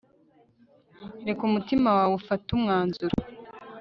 reka umutima wawe ufate umwanzuro